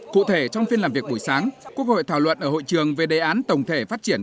cụ thể trong phiên làm việc buổi sáng quốc hội thảo luận ở hội trường về đề án tổng thể phát triển